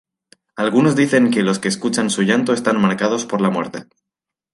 Algunos dicen que los que escuchan su llanto están marcados por la muerte.